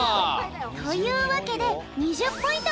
というわけで２０ポイント